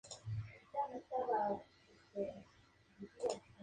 Fue el primer aeropuerto estatal en los Estados Unidos.